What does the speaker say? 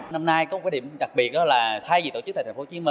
năm nay có một cái điểm đặc biệt là thay vì tổ chức tại tp hcm